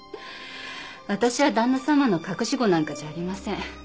私は旦那様の隠し子なんかじゃありません。